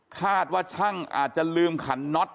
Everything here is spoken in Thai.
คาดว่าช่างอาจจะลืมขันน็อต